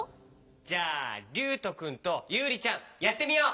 じゃありゅうとくんとゆうりちゃんやってみよう！